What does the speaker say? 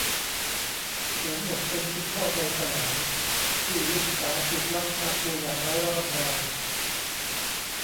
สวมบทเป็นคุณพ่อใจสลายที่ลูกสาวถูกลักพาตัวอย่างไร้ร่องรอย